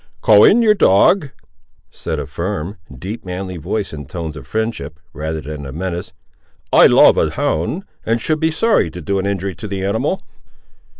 "Call in your dog," said a firm, deep, manly voice, in tones of friendship, rather than of menace; "I love a hound, and should be sorry to do an injury to the animal."